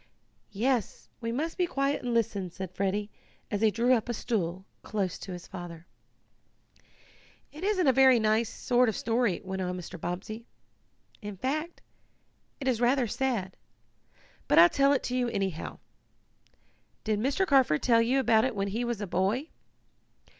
"Yes, we must be quiet and listen," said Freddie, as he drew up a stool close to his father. "It isn't a very nice sort of story," went on Mr. Bobbsey. "In fact it is rather sad. But I'll tell it to you, anyhow. Did Mr. Carford tell you about when he was a boy?"